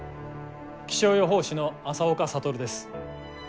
気象予報士の朝岡覚です。